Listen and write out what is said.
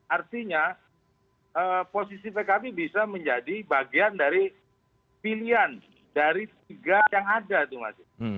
artinya posisi pkb bisa menjadi bagian dari pilihan dari tiga yang ada itu mas